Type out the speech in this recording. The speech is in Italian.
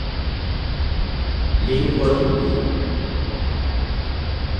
Lingua tupi